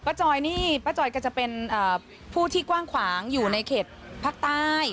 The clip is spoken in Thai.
จอยนี่ป้าจอยก็จะเป็นผู้ที่กว้างขวางอยู่ในเขตภาคใต้